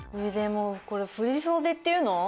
もうこれ振り袖っていうの？